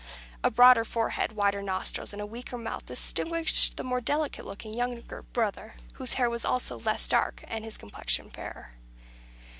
A broader forehead, wider nostrils, and a weaker mouth, distinguished the more delicate looking younger brother, whose hair was also less dark, and his complexion fairer.